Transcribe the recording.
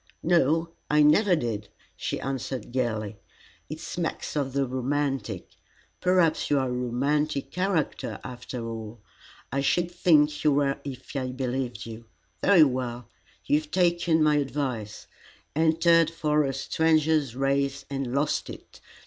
"No, I never did," she answered gaily. "It smacks of the romantic. Perhaps you are a romantic character, after all. I should think you were if I believed you. Very well; you have taken my advice, entered for a Stranger's Race and lost it.